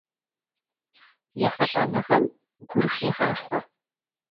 ЕхъулӀэныгъэм гур хегъахъуэ.